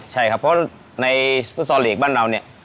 ใช่ครับเพราะในฟุตซอลลีกบ้านเราเนี่ย